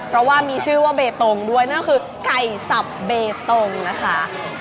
เพราะว่ามีชื่อว่าเบตงด้วยนั่นก็คือไก่สับเบตงนะคะ